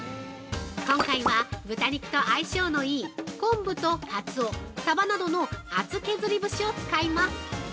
今回は、豚肉と相性のいい昆布とカツオ、サバなどの厚削り節を使います。